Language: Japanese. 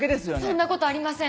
そんなことありません。